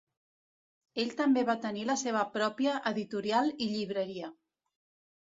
Ell també va tenir la seva pròpia editorial i llibreria.